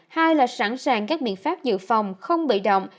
hai là sẵn sàng các biện pháp dự phòng không bị động